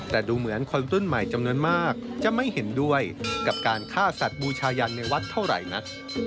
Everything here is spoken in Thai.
แต่ดูเหมือนคนรุ่นใหม่จำนวนมากจะไม่เห็นด้วยกับการฆ่าสัตว์บูชายันในวัดเท่าไหร่นัก